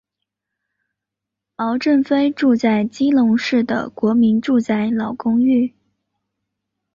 毛振飞住在基隆市的国民住宅老公寓。